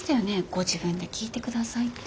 ご自分で聞いて下さいって。